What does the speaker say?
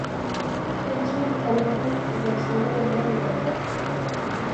Jaitsi zalditik, eta eseri hemen nire ondoan.